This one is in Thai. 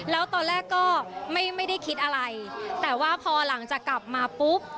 แล้วตอนแรกก็ไม่ได้คิดอะไรแต่ว่าพอหลังจากกลับมาปุ๊บ